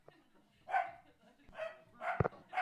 মানে, তার যে চিন্তাধারা, অবিশ্বাস্য।